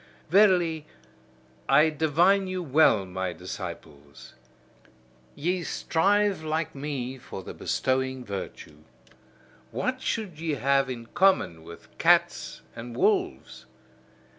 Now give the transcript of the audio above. Verily, I divine you well, my disciples: ye strive like me for the bestowing virtue. What should ye have in common with cats and wolves?